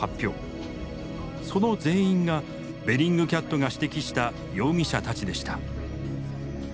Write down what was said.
その全員がベリングキャットが指摘した容疑者たちでした。